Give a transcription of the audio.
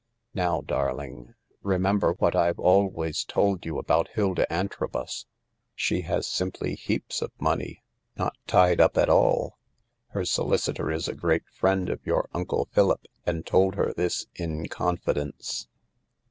Now, darling, remember what I've always told you about Hilda Antrobus. She has simply heaps of money — not tied up at all. Her solicitor is a great friend of your Uncle Philip and told her this in confidence.